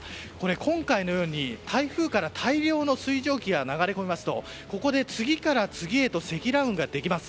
今回のように台風から大量の水蒸気が流れ込みますとここで次から次へと積乱雲ができます。